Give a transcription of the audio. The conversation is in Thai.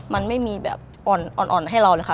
มันไม่มีแบบอ่อนให้เราเลยค่ะ